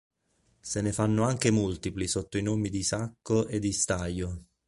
Se ne fanno anche multipli sotto i nomi di sacco e di staio.